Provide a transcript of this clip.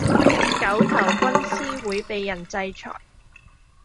狗頭軍師會比人制裁